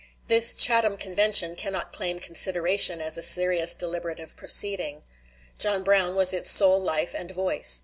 This Chatham Convention cannot claim consideration as a serious deliberative proceeding. John Brown was its sole life and voice.